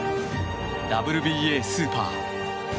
ＷＢＡスーパーＩＢＦ